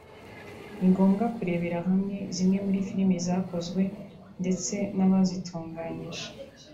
ni ngombwa kurebera hamwe zimwe muri filime zakozwe ndetse n’abazitunganyije